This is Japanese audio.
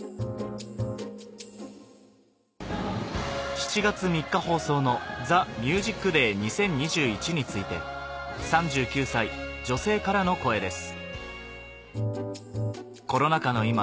７月３日放送の『ＴＨＥＭＵＳＩＣＤＡＹ２０２１』について３９歳女性からの声です